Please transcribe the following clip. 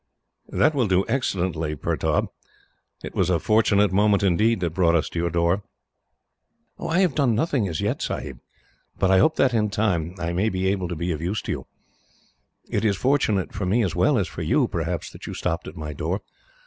"That will do excellently, Pertaub. It was a fortunate moment, indeed, that brought us to your door." "I have done nothing as yet, Sahib; but I hope that, in time, I may be able to be of use to you. It was fortunate for me as well as for you, perhaps, that you stopped at my door.